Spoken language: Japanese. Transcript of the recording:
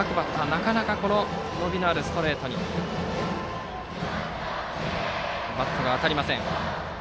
なかなか伸びのあるストレートにバットが当たりません。